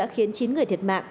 khiến chín người thiệt mạng